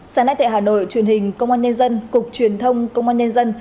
sáng nay tại hà nội truyền hình công an nhân dân cục truyền thông công an nhân dân